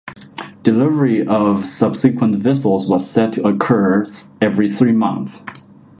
Delivery of subsequent vessels was set to occur every three months.